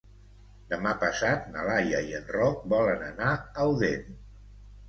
Demà passat na Laia i en Roc volen anar a Odèn.